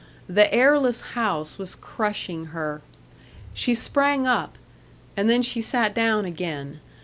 The airless house was crushing her. She sprang up and then she sat down again.